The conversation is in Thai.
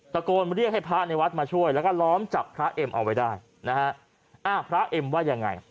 ตะโกนเรียกให้พระในวัดมาช่วยแล้วก็ล้อมจับพระเอ็มเอาไว้ได้นะฮะอ่าพระเอ็มว่ายังไง